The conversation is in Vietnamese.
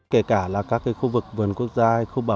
kể cả các khu vực vườn quốc gia